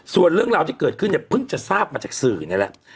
ส่วนเรื่องราวที่เกิดขึ้นเนี่ยเพิ่งจะทราบมาจากสื่อนี่แหละ